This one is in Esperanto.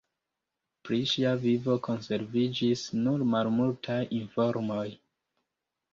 Pri ŝia vivo konserviĝis nur malmultaj informoj.